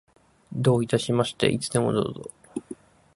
どういたしまして。いつでもどうぞ。